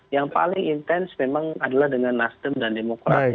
yang paling intens memang adalah dengan nasdem dan demokrat